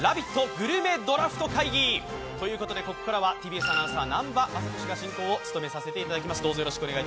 グルメドラフト会議！」ということでここからはＴＢＳアナウンサー、南波雅俊が進行を務めさせていただきます。